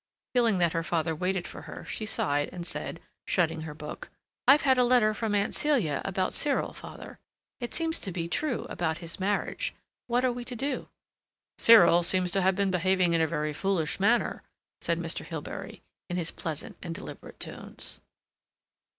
Feeling that her father waited for her, she sighed and said, shutting her book: "I've had a letter from Aunt Celia about Cyril, father.... It seems to be true—about his marriage. What are we to do?" "Cyril seems to have been behaving in a very foolish manner," said Mr. Hilbery, in his pleasant and deliberate tones.